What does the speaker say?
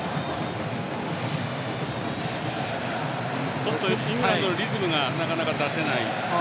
ちょっとイングランドのリズムがなかなか出せない。